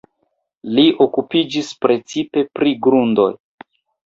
Li okupiĝis precipe pri grundoj.